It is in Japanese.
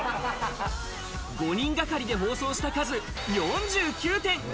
５人がかりで包装した数、４９点。